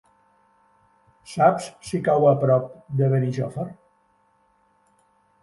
Saps si cau a prop de Benijòfar?